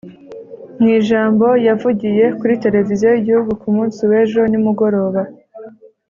mu ijambo yavugiye kuri televiziyo y’igihugu ku munsi w’ejo nimugoroba